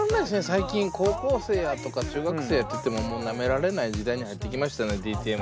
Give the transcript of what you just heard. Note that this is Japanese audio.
最近高校生やとか中学生っていってももうなめられない時代に入ってきましたよねＤＴＭ。